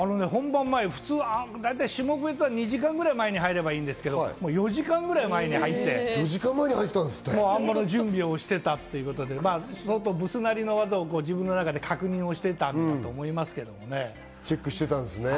普通は種目別は２時間くらい前に入ればいいんですけど、４時間くらい前に入って、あん馬の準備をしてたっていうことで、相当、ブスナリの技を自分で確認していたんだと思いますけどね。